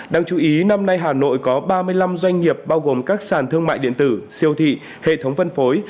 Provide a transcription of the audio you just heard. đáng chú ý năm nay hà nội có ba mươi năm doanh nghiệp bao gồm các sàn thương mại điện tử siêu thị hệ thống phân phối